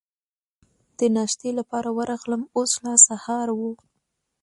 د ناشتې لپاره ورغلم، اوس لا سهار و.